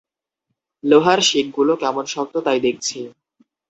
লোহার শিকগুলো কেমন শক্ত, তাই দেখছি।